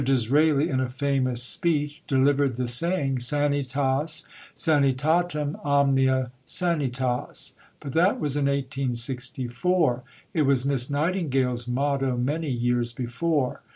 Disraeli, in a famous speech delivered the saying Sanitas sanitatum, omnia Sanitas, but that was in 1864; it was Miss Nightingale's motto many years before.